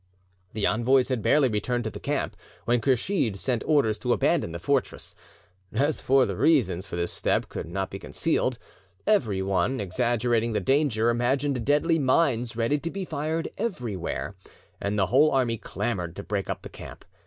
The envoys had barely returned to the camp when Kursheed sent orders to abandon the fortress. As the reason far this step could not be concealed, everyone, exaggerating the danger, imagined deadly mines ready to be fired everywhere, and the whole army clamoured to break up the camp.